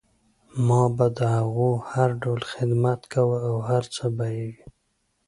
ما به د هغو هر ډول خدمت کوه او هر څه به یې